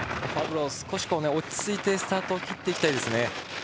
少し落ち着いてスタート切っていきたいですね。